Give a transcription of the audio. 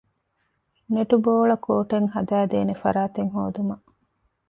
ނެޓްބޯޅަކޯޓެއް ހަދައިދޭނެ ފަރާތެއް ހޯދުމަށް